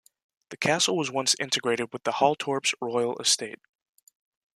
The castle was once integrated with the Halltorps royal estate.